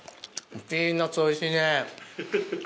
ピーナツおいしいね。